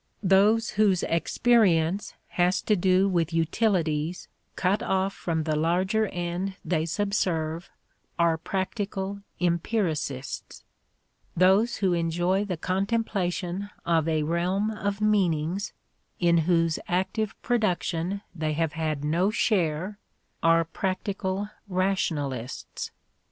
Those whose experience has to do with utilities cut off from the larger end they subserve are practical empiricists; those who enjoy the contemplation of a realm of meanings in whose active production they have had no share are practical rationalists.